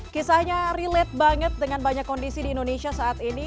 kisahnya relate banget dengan banyak kondisi di indonesia saat ini